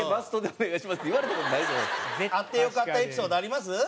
あってよかったエピソードあります？